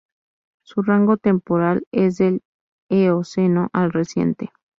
Su rango temporal es del Eoceno al Reciente.